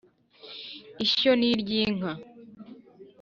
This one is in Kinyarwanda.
ishyo ni iry’inka